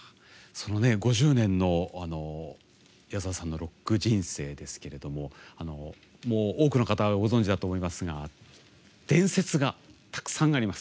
５０年の矢沢さんのロック人生ですけれども多くの方はご存じだと思いますが伝説がたくさんあります。